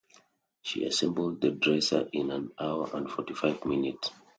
She assembled the dresser in an hour and forty-five minutes.